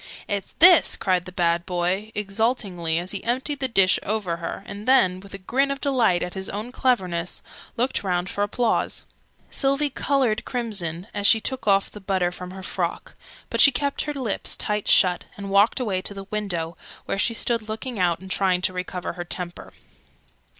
"It's this!" cried the bad boy, exultingly, as he emptied the dish over her, and then, with a grin of delight at his own cleverness, looked round for applause. Sylvie coloured crimson, as she shook off the butter from her frock: but she kept her lips tight shut, and walked away to the window, where she stood looking out and trying to recover her temper.